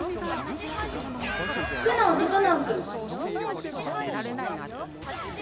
「久能整君」